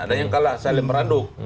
ada yang kalah saling meranduk